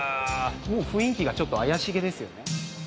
もう雰囲気がちょっと怪しげですよね。